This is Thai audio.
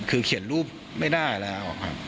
คือเขียนรูปไม่ได้แล้วครับ